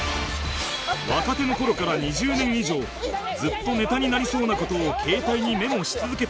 若手の頃から２０年以上ずっとネタになりそうな事を携帯にメモし続けてきた秋山